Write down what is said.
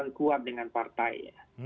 yang kuat dengan partai